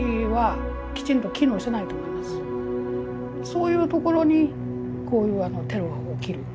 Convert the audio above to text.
そういうところにこういうテロが起きる。